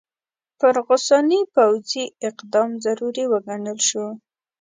پر غساني پوځي اقدام ضروري وګڼل شو.